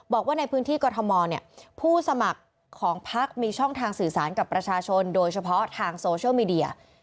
บอกว่าในพื้นที่กรทมผู้สมัครของพักมีช่องทางสื่อสารกับประชาชนโดยเฉพาะทางโซเชียลมีเดีย